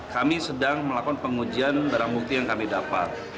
kami sedang melakukan pengujian barang bukti yang kami dapat